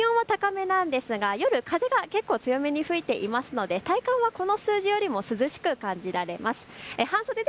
気温は高めなんですが夜、風が結構強めに吹いていますので体感はこの数字よりも涼しく感じられます。